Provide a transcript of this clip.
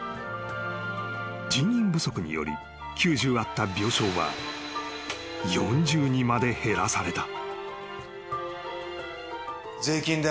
［人員不足により９０あった病床は４０にまで減らされた］